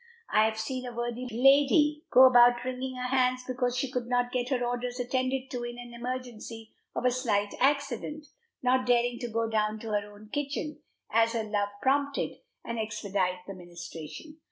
I have seen a worthy lady go about wringing her hands because she could not get her orders attended to in the emergency of a slight accident, not daring to go down to her own kitchen, as her love prompted, and expedite the ministration.